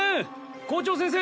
校長先生